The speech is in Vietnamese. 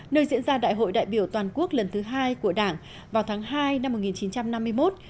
nơi diễn ra đại hội đại biểu toàn quốc lần thứ hai của đảng vào tháng hai năm một nghìn chín trăm năm mươi một